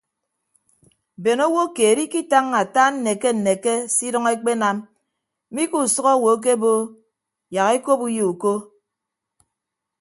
Bene owo keed ikitañña ata nneke nneke se idʌñ ekpenam mi ke usʌk owo ekebo yak ekop uyo uko.